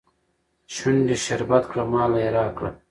شونډي شربت کړه ماله يې راکړه